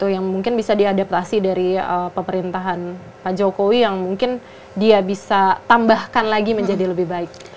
yang mungkin bisa diadaptasi dari pemerintahan pak jokowi yang mungkin dia bisa tambahkan lagi menjadi lebih baik